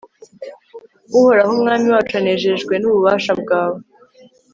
uhoraho, umwami wacu anejejwe n'ububasha bwawe